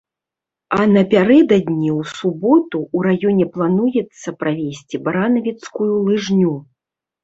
А напярэдадні, у суботу, у раёне плануецца правесці баранавіцкую лыжню.